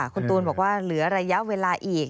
คุณตูนบอกว่าเหลือระยะเวลาอีก